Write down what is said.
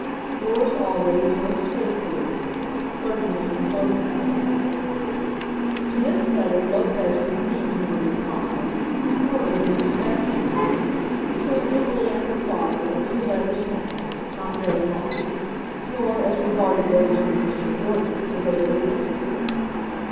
Yours always most faithfully, FERDINAND LOPEZ. To this letter Lopez received no reply; nor did he expect one. Between Emily and her father a few letters passed, not very long; nor, as regarded those from Mr. Wharton, were they very interesting.